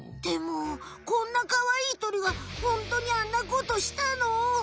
でもこんなかわいいとりがホントにあんなことしたの？